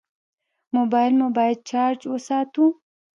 موبایل مو باید چارج وساتو.